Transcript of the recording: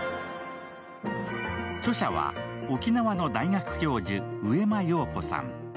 著者は、沖縄の大学教授、上間陽子さん。